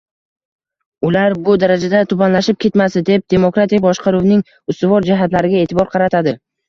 ular bu darajada tubanlashib ketmasdi deb demokratik boshqaruvning ustivor jihatlariga e`tibor qaratadi.